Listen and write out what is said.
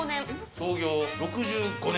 創業６５年？